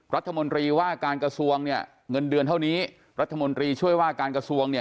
รัฐมนตรีว่าการกระทรวงเนี่ยเงินเดือนเท่านี้รัฐมนตรีช่วยว่าการกระทรวงเนี่ย